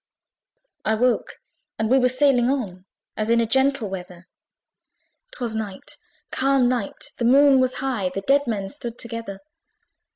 I woke, and we were sailing on As in a gentle weather: 'Twas night, calm night, the Moon was high; The dead men stood together.